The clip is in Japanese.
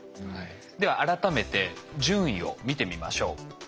では改めて順位を見てみましょう。